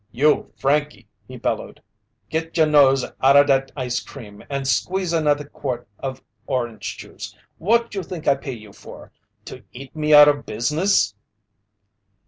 "You, Frankey!" he bellowed. "Git your nose outta dat ice cream and squeeze another quart of orange juice! What you think I pay you for to eat me out of business?"